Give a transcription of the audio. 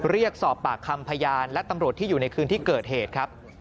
เรียกสอบปากคำพยานและตำรวจที่อยู่ในคืนที่เกิดเหตุครับ